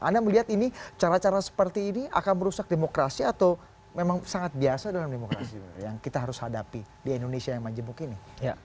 anda melihat ini cara cara seperti ini akan merusak demokrasi atau memang sangat biasa dalam demokrasi yang kita harus hadapi di indonesia yang majemuk ini